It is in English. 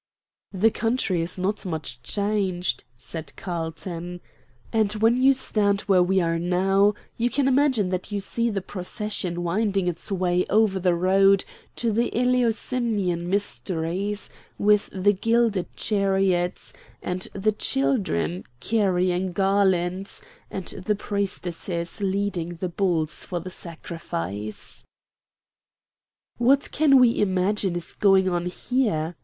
"The country is not much changed," said Carlton. "And when you stand where we are now, you can imagine that you see the procession winding its way over the road to the Eleusinian Mysteries, with the gilded chariots, and the children carrying garlands, and the priestesses leading the bulls for the sacrifice." "What can we imagine is going on here?"